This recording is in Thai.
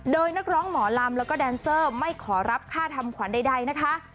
โดยนักร้องหมอลำแล้วก็แดนเซอร์ไม่ขอรับค่าทำขวัญใดนะคะ